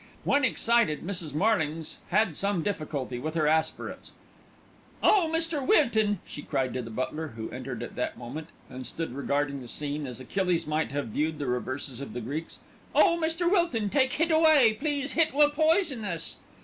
When excited Mrs. Marlings had some difficulty with her aspirates. "Oh! Mr. Wilton," she cried to the butler, who entered at that moment, and stood regarding the scene as Achilles might have viewed the reverses of the Greeks. "Oh! Mr. Wilton! take hit away, please, hit will poison us."